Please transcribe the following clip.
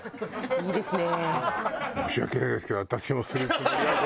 いいですね。